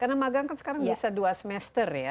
karena magang kan sekarang bisa dua semester ya